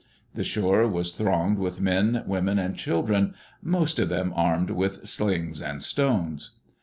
The shore was thronged with men, women, and children, most of them armed with slings and stones.